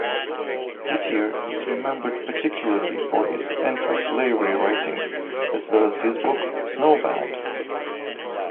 Whittier is remembered particularly for his anti-slavery writings as well as his book "Snow-Bound".